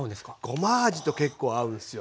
ごま味と結構合うんすよ。